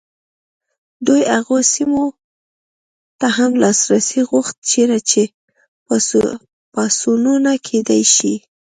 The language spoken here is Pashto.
دوی هغو سیمو ته هم لاسرسی غوښت چیرې چې پاڅونونه کېدای شي.